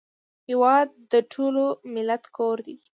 هېواد د ټول ملت کور دی